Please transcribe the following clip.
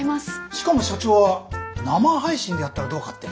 しかも社長は生配信でやったらどうかって。